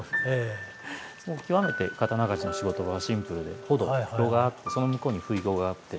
極めて刀鍛冶の仕事はシンプルで火床炉があってその向こうにふいごがあって。